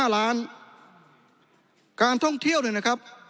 ๕ล้านการท่องเที่ยวเนี่ยนะครับ